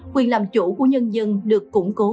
quyền làm chủ của nhân dân được củng cố